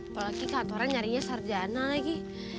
apalagi kantoran nyarinya sarjana lagi